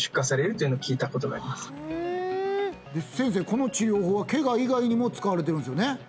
この治療法はケガ以外にも使われてるんですよね？